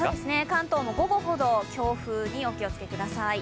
関東も午後ほど強風にお気をつけください。